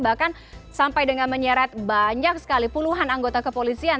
bahkan sampai dengan menyeret banyak sekali puluhan anggota kepolisian